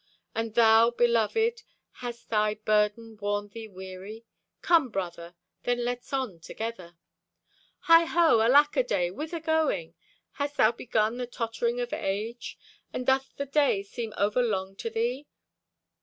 And thou, beloved, hast thy burden worn thee weary? Come, Brother, then let's on together. Hi ho, alack a day, whither going? Hast thou begun the tottering of age, And doth the day seem over long to thee?